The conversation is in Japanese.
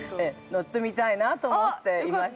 ◆乗ってみたいなーと思っていました。